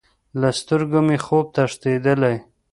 له سترګو مې خوب تښتیدلی